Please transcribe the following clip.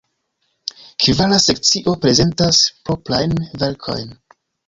Kvara sekcio prezentas proprajn verkojn.